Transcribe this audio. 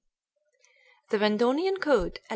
D. The Vendotian Code XI.